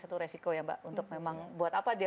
satu resiko ya mbak untuk memang buat apa dia